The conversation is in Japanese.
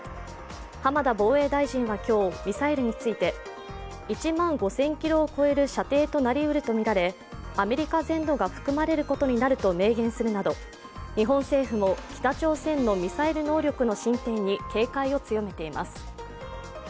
浜田防衛大臣は今日、ミサイルについて１万５０００ｋｍを超える射程となりうるとみられアメリカ全土が含まれることになると明言するなど、日本政府も北朝鮮のミサイル能力の進展に警戒を強めています。